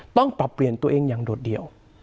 ต้องปรับเปลี่ยนตัวเองอย่างโดดเดี่ยว